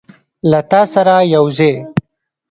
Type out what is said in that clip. له تا سره یوځای